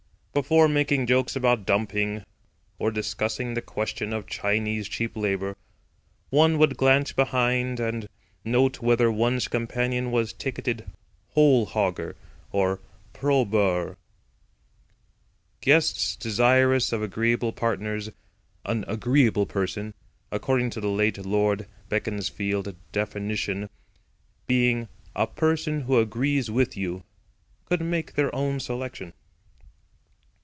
Before making jokes about "Dumping," or discussing the question of Chinese Cheap Labour, one would glance behind and note whether one's companion was ticketed "Whole hogger," or "Pro Boer." Guests desirous of agreeable partners—an "agreeable person," according to the late Lord Beaconsfield's definition, being "a person who agrees with you"—could make their own selection.